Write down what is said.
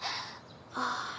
ああ。